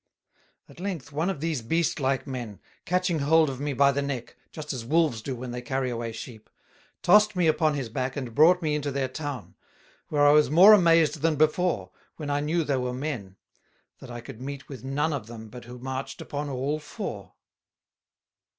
At length one of these Beast like men, catching hold of me by the Neck, just as Wolves do when they carry away Sheep, tossed me upon his back and brought me into their Town; where I was more amazed than before, when I knew they were Men, that I could meet with none of them but who marched upon all four.